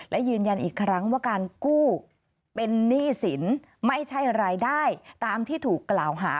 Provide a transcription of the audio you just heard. และยืนยันอีกครั้งว่าการกู้เป็นหนี้สินไม่ใช่รายได้ตามที่ถูกกล่าวหา